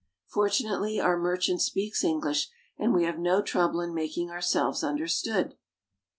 Fortunately our merchant speaks English, and we have no trouble in making ourselves understood.